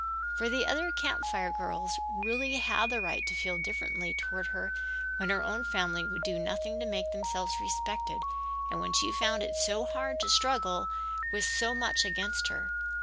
For the other Camp Fire girls really had the right to feel differently toward her when her own family would do nothing to make themselves respected and when she found it so hard to struggle with so much against her.